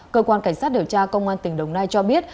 cơ quan cảnh sát điều tra công an tỉnh đồng nai cho biết